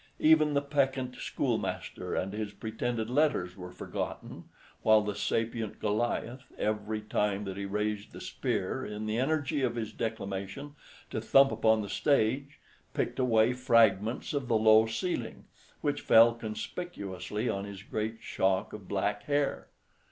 Even the peccant schoolmaster and his pretended letters were forgotten, while the sapient Goliath, every time that he raised the spear, in the energy of his declamation, to thump upon the stage, picked away fragments of the low ceiling, which fell conspicuously on his great shock of black hair.